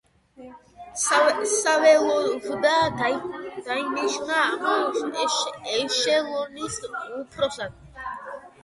საველოვა დაინიშნა ამ ეშელონის უფროსად.